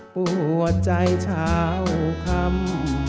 ปวดใจชาวคำ